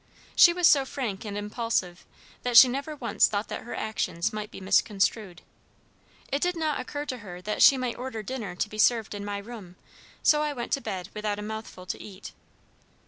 She was so frank and impulsive that she never once thought that her actions might be misconstrued. It did not occur to her that she might order dinner to be served in my room, so I went to bed without a mouthful to eat.